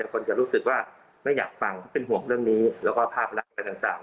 คนจะรู้สึกว่าไม่อยากฟังเพราะเป็นห่วงเรื่องนี้แล้วก็ภาพลักษณ์อะไรต่าง